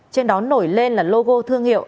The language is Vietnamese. trên đó nổi lên là logo thương hiệu